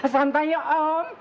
santai ya om